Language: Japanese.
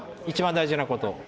一番大事なこと。